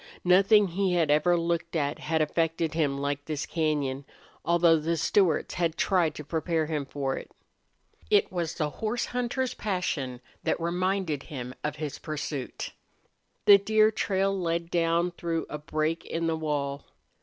Nothing he had ever looked at had affected him like this cañon, although the Stewarts had tried to prepare him for it. It was the horse hunter's passion that reminded him of his pursuit. The deer trail led down through a break in the wall.